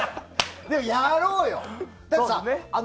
やろうよ！